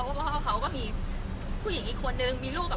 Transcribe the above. เราเคยมีปัญหากับทางฝ่ายของอดีตสามีแล้วไหมคะเข้าครัวของอดีตสามีแล้วไหมคะ